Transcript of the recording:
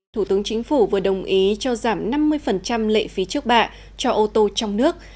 thủ tướng chính phủ vừa đồng ý cho giảm năm mươi lệ phí trước bạ cho ô tô trong nước